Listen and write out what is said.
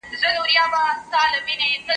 زه اوس ليکلي پاڼي ترتيب کوم